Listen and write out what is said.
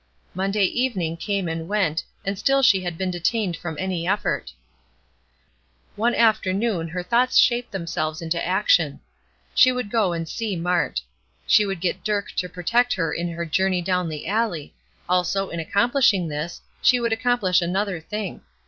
Monday evening came and went, and still she had been detained from any effort. One afternoon her thoughts shaped themselves into action. She would go and see Mart. She would get Dirk to protect her in her journey down the alley; also, in accomplishing this, she would accomplish another thing.